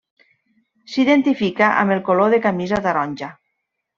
S’identifica amb el color de camisa taronja.